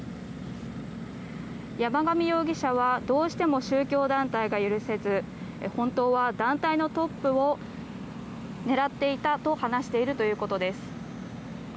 山上容疑者はどうしても宗教団体が許せず本当は団体のトップを狙っていたと話しているということです。